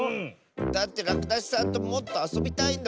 だってらくだしさんともっとあそびたいんだもん！